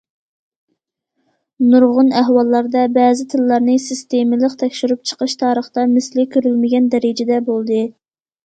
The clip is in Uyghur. نۇرغۇن ئەھۋاللاردا، بەزى تىللارنى سىستېمىلىق تەكشۈرۈپ چىقىش تارىختا مىسلى كۆرۈلمىگەن دەرىجىدە بولدى.